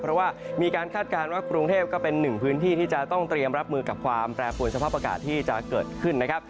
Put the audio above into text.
เพราะว่ามีการคาดการณ์ว่ากรุงเทพก็เป็นหนึ่งพื้นที่ที่จะต้องเตรียมรับมือกับความแปรปวนสภาพอากาศที่จะเกิดขึ้นนะครับ